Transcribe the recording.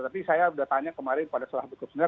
tapi saya sudah tanya kemarin pada salah satu kesenian